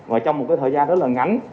và trong một thời gian rất là ngắn